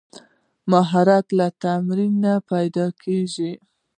مهارت له تمرین پیدا کېږي.